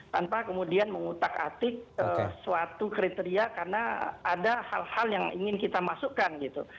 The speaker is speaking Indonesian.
tanpa kemudian mengutak atik suatu kriteria karena ada hal hal yang ingin kita masukkan gitu